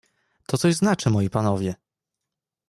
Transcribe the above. "To coś znaczy, moi panowie!"